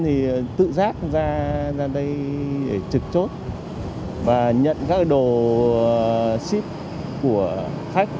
thì tự giác ra đây để trực chốt và nhận các đồ ship của khách